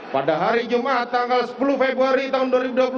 pada hari jumat tanggal sepuluh februari tahun dua ribu dua puluh tiga